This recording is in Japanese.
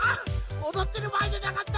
おどってるばあいじゃなかった！